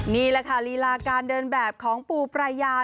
นี่แหละค่ะลีลาการเดินแบบของปูปรายา